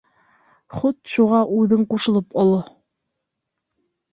Хут шуға үҙең ҡушылып оло!